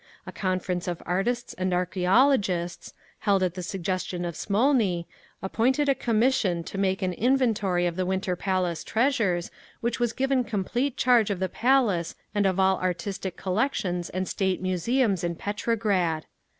A conference of artists and archæologists, held at the suggestion of Smolny, appointed a commission of make an inventory of the Winter Palace treasures, which was given complete charge of the Palace and of all artistic collections and State museums in Petrograd.